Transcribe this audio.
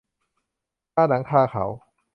คาหนังคาเขา